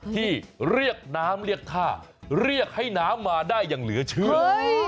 ที่เรียกน้ำเรียกท่าเรียกให้น้ำมาได้อย่างเหลือเชื่อ